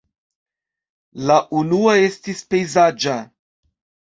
La unua estis pejzaĝa.